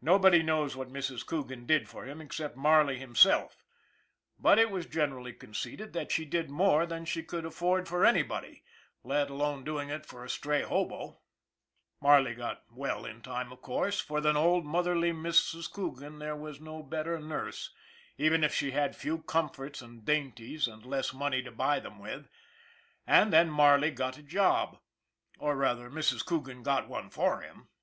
Nobody knows what Mrs. Coogan did for him except Marley himself; but it was MARLEY 213 generally conceded that she did more than she could afford for anybody, let alone doing it for a stray hobo, Marley got well in time, of course, for, than old, motherly Mrs. Coogan there was no better nurse, even if she had few comforts and dainties and less money to buy them with; and then Marley got a job or rather Mrs. Coogan got one for him.